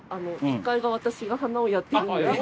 １階が私が花をやってるんで。